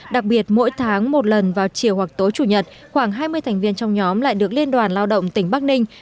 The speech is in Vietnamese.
đặc biệt mỗi tháng một lần vào chiều hoặc tối chủ nhật khoảng hai mươi thành viên trong nhóm lại được liên đoàn lao động tỉnh bắc ninh